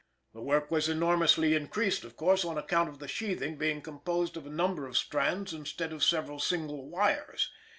The work was enormously increased, of course, on account of the sheathing being composed of a number of strands instead of several single wires.